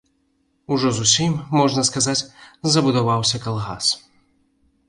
Ужо зусім, можна сказаць, забудаваўся калгас.